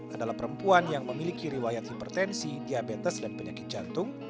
adalah perempuan yang memiliki riwayat hipertensi diabetes dan penyakit jantung